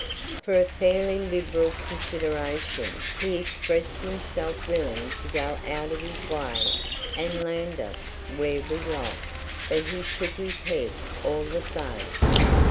For a fairly liberal consideration he expressed himself willing to go out of his way and land us where we liked, but he shook his head all the same.